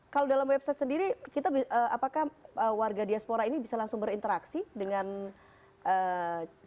kalau dalam website sendiri apakah warga diaspora ini bisa langsung berinteraksi dengan eee